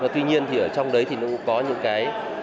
tuy nhiên thì ở trong đấy thì nó cũng có những cái